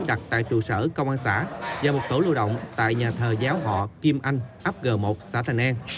tổ tổ đặt tại trụ sở công an xã và một tổ lưu động tại nhà thờ giáo họ kim anh áp g một xã thành an